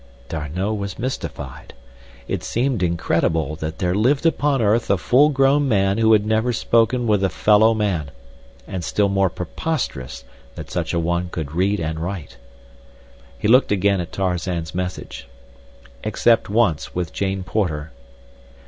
D'Arnot was mystified. It seemed incredible that there lived upon earth a full grown man who had never spoken with a fellow man, and still more preposterous that such a one could read and write. He looked again at Tarzan's message—"except once, with Jane Porter."